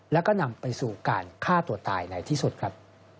แล้วก็นำไปสู่การฆ่าตัวตายในที่สุดครับ